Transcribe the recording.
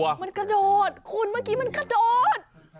มันกระโดดคุณเมื่อกี้มันกระโดด